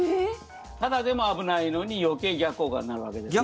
ただでも危ないのに余計、逆効果になるわけですね。